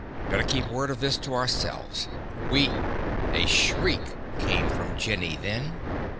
Better keep word of this to ourselves. We " A shriek came from Jenny then.